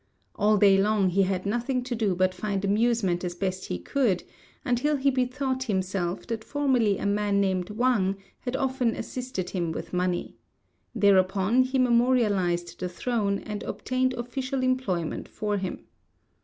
All day long he had nothing to do but find amusement as best he could, until he bethought himself that formerly a man named Wang had often assisted him with money. Thereupon he memorialized the Throne and obtained official employment for him.